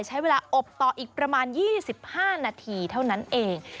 ใช้เวลาอบต่ออีกประมาณ๒๕นาทีเท่านั้นเอง